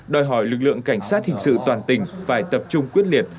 đòi hỏi lực lượng cảnh sát hình sự toàn tỉnh phải tập trung quyết liệt